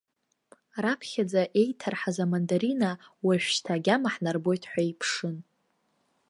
Раԥхьаӡа еиҭарҳаз амандарина, уажәшьҭа агьама ҳнарбоит ҳәа иԥшын.